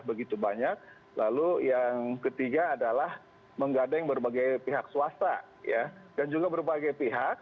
begitu banyak lalu yang ketiga adalah menggandeng berbagai pihak swasta dan juga berbagai pihak